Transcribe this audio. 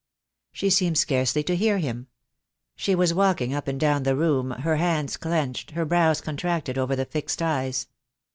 She seemed scarcely to hear him. She was walking up and down the room, her hands clenched, her brows contracted over the fixed eyes.